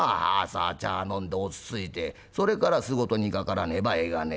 朝茶飲んで落ち着いてそれから仕事にかからねばえがねえ。